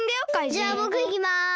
じゃあぼくいきます。